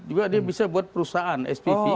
juga dia bisa buat perusahaan spv